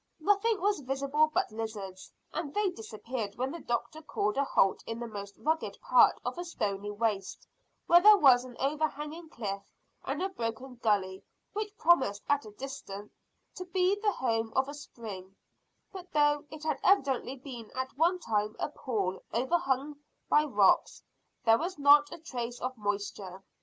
Nothing was visible but lizards, and they disappeared when the doctor called a halt in the most rugged part of a stony waste where there was an overhanging cliff and a broken gully which promised at a distance to be the home of a spring; but though it had evidently been at one time a pool overhung by rocks, there was not a trace of moisture.